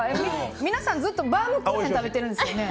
皆さん、ずっとバウムクーヘン食べてるんですよね。